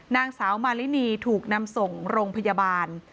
นางสาวมารินีถูกนำส่งโรงพยาบาล